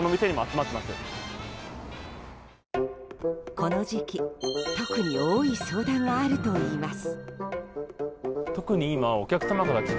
この時期特に多い相談があるといいます。